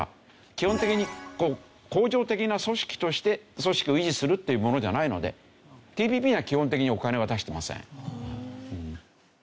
基本的に恒常的な組織として組織を維持するというものじゃないのでＴＰＰには基本的にお金は出してません。